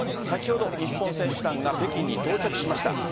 先ほど日本選手団が北京に到着しました。